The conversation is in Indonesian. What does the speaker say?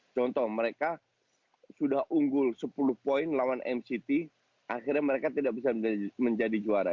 contoh mereka sudah unggul sepuluh poin lawan mct akhirnya mereka tidak bisa menjadi juara